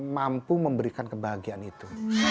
mampu memberikan kebahagiaan itu